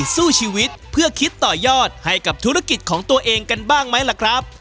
สู้ชีวิตเพื่อคิดต่อยอดให้กับธุรกิจของตัวเองกันบ้างไหมล่ะครับ